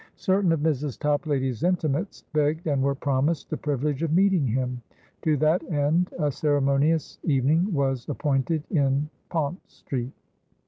Certain of Mrs. Toplady's intimates begged, and were promised, the privilege of meeting him. To that end, a ceremonious evening was appointed in Pont Street.